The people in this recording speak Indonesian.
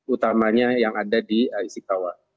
utamanya yang ada di istiqlawa